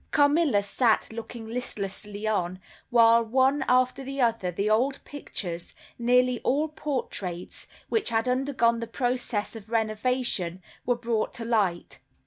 Carmilla sat looking listlessly on, while one after the other the old pictures, nearly all portraits, which had undergone the process of renovation, were brought to light.